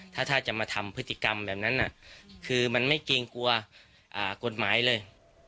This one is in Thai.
ถ้าจะมาทำพฤติกรรมแบบนั้นคือมันไม่เกรงกลัวกฎหมายเลย